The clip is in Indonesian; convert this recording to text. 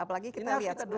apalagi kita lihat sekarang